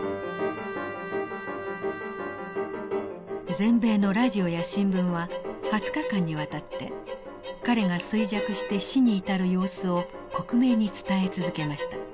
全米のラジオや新聞は２０日間にわたって彼が衰弱して死に至る様子を克明に伝え続けました。